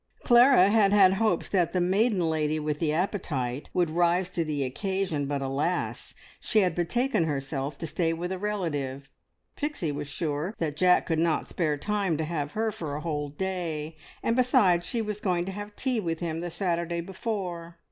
Clara had had hopes that the maiden lady with the appetite would rise to the occasion, but, alas! she had betaken herself to stay with a relative, Pixie was sure that Jack could not spare time to have her for a whole day, and besides, she was going to have tea with him the Saturday before.